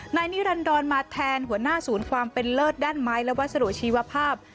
นายนิรันดรมาแทนหัวหน้าศูนย์ความเป็นเลิศด้านไม้และวัสดุชีวภาพ